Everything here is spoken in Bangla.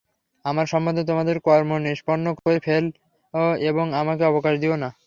আমার সম্বন্ধে তোমাদের কর্ম নিষ্পন্ন করে ফেল এবং আমাকে অবকাশ দিও না।